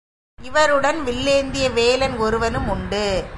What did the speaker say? இவருடன் வில்லேந்திய வேலன் ஒருவனும் உண்டு.